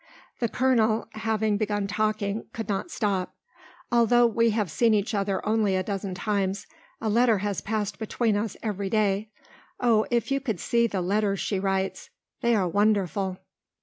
The colonel, having begun talking, could not stop. "Although we have seen each other only a dozen times, a letter has passed between us every day. Oh, if you could see the letters she writes. They are wonderful."